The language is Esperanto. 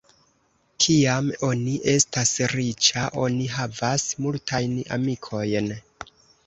Kiam oni estas riĉa, oni havas multajn amikojn.